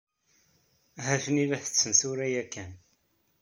Ha-ten-i la setten tura ya kan.